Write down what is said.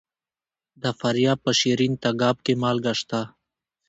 د فاریاب په شیرین تګاب کې مالګه شته.